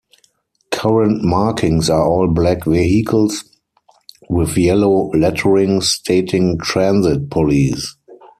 Current markings are all black vehicles with yellow lettering stating transit police.